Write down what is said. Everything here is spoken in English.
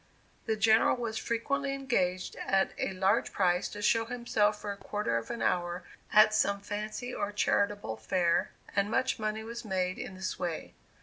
The General was frequently engaged at a large price to show himself for a quarter of an hour at some fancy or charitable fair, and much money was made in this way.